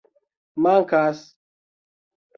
Mankas.